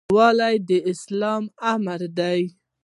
یووالی د اسلام امر دی